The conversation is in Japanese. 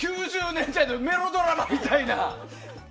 ９０年代のメロドラマみたいな。